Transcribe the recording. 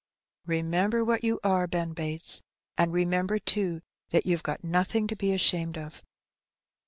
Remember what you are, Ben Bates; and remember, too, that you've got nothing to be ashamed of."